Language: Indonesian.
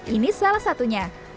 ini salah satunya